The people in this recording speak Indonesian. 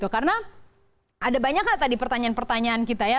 karena ada banyak kan tadi pertanyaan pertanyaan kita ya